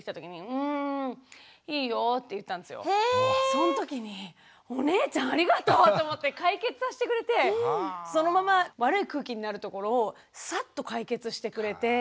そんときに「お姉ちゃんありがとう」と思って解決させてくれてそのまま悪い空気になるところをサッと解決してくれて。